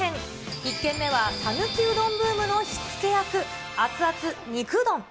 １軒目は、讃岐うどんブームの火つけ役、熱々肉うどん。